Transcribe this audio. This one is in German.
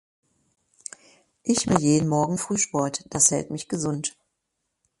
Ich will jeden morgen Frühsport, das hält mich gesund.